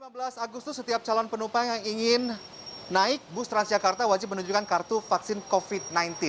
pada lima belas agustus setiap calon penumpang yang ingin naik bus transjakarta wajib menunjukkan kartu vaksin covid sembilan belas